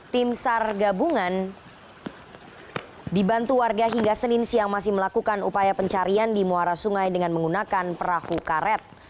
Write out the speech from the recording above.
tim sar gabungan dibantu warga hingga senin siang masih melakukan upaya pencarian di muara sungai dengan menggunakan perahu karet